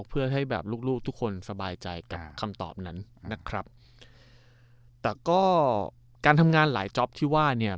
เพื่อให้แบบลูกลูกทุกคนสบายใจกับคำตอบนั้นนะครับแต่ก็การทำงานหลายจ๊อปที่ว่าเนี่ย